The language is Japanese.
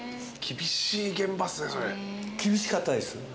厳しかったです。